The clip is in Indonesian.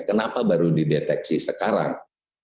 kenapa baru dideteksi sekarang